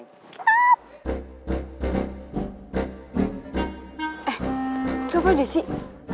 eh itu apa dia sih